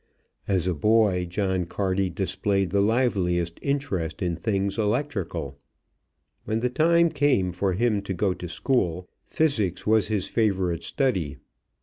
As a boy John Carty displayed the liveliest interest in things electrical. When the time came for him to go to school, physics was his favorite study.